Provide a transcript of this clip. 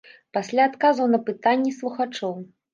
Пасля адказаў на пытанні слухачоў.